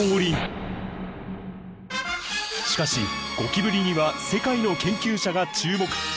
しかしゴキブリには世界の研究者が注目！